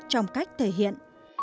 trong cách thể hiện